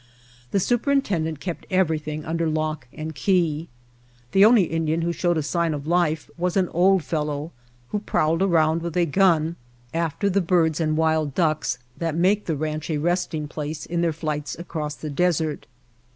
The superintendent kept everything under lock and key. The only Indian who showed a sign of life was an old fellow who prowled around with a gun after the birds and wild ducks that make the ranch a resting place in their flights across the desert.